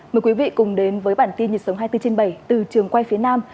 mời quý vị cùng đến với bản tin nhật sống hai mươi bốn trên bảy từ trường quay phía nam